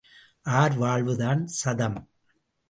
R வாழ்வுதான் சதம்?